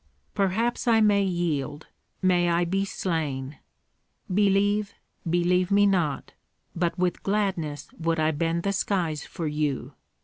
"Perhaps I may yield, may I be slain! Believe, believe me not, but with gladness would I bend the skies for you.